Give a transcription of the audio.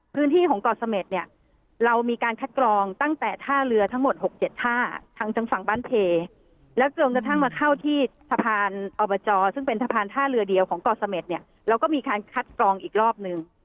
พื้นที่ของกรสเม็จเนี่ยเรามีการคัดกรอง